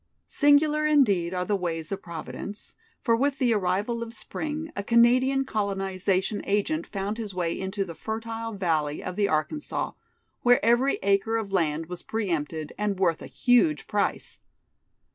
Singular indeed are the ways of Providence, for with the arrival of Spring a Canadian colonization agent found his way into the fertile valley of the Arkansas, where every acre of land was pre empted and worth a huge price.